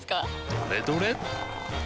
どれどれっ！